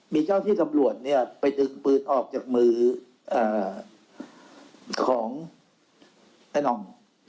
มีเจ้าที่ตำรวจเนี่ยไปดึงปืนออกจากมือของไอ้น่อง